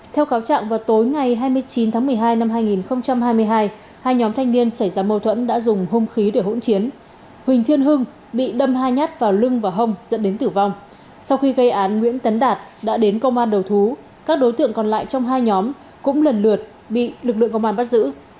theo kháo trạng vào tối ngày hai mươi chín tháng một mươi hai năm hai nghìn hai mươi hai hai nhóm thanh niên xảy ra mâu thuẫn đã dùng hung khí để hỗn chiến huỳnh thiên hưng bị đâm hai nhát vào lưng và hông dẫn đến tử vong sau khi gây án nguyễn tấn đạt đã đến công an đầu thú các đối tượng còn lại trong hai nhóm cũng lần lượt bị lực lượng công an bắt giữ